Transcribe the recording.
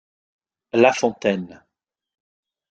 La fontaine.